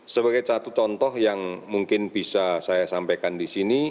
sebagai satu contoh saya ingin mengucapkan kepada anda